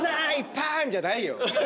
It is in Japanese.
パーン！じゃないよ。